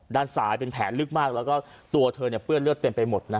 ด้านซ้ายเป็นแผลลึกมากแล้วก็ตัวเธอเปื้อนเลือดเต็มไปหมด